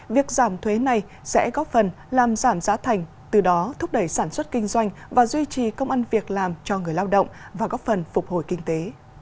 việc giảm thuế này sẽ góp phần làm giảm giá thành từ đó thúc đẩy sản xuất kinh doanh và duy trì công an việc làm cho người lao động và góp phần phục hồi kinh tế